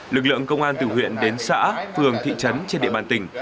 lực lượng công an từ huyện đến xã phường thị trấn trên địa bàn tỉnh